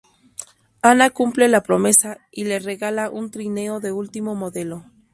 Anna cumple la promesa y le regala un trineo de último modelo.